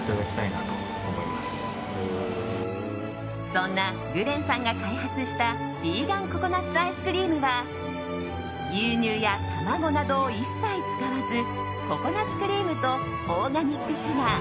そんなグレンさんが開発したヴィーガンココナッツアイスクリームは牛乳や卵などを一切使わずココナッツクリームとオーガニックシュガー